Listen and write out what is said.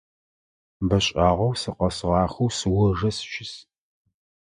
Бэ шӏагъэу сыкъэсыгъахэу сыожэ сыщыс.